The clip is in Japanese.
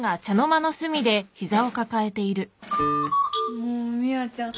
もう美和ちゃん